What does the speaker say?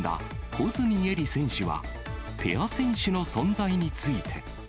穂積絵莉選手は、ペア選手の存在について。